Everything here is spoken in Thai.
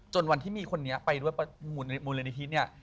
วันที่มีคนนี้ไปด้วยมูลนิธิเนี่ย